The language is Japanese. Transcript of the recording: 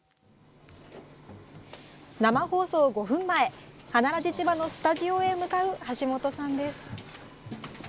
生放送５分前「花ラジちば」のスタジオへ向かう橋本さんです。